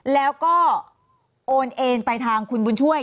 แล้วก็โอนเอนไปทางคุณบุญช่วย